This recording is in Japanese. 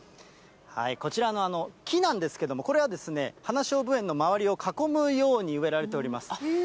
こちらのきなんですけれども、これは花しょうぶ園の周りを囲むように植えられております。